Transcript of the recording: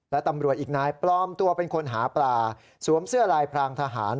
และตำรวจอีกนายปลอมตัวเป็นคนหาปลาสวมเสื้อลายพรางทหาร